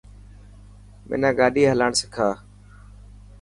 منا گاڏي هلاڻ سکا.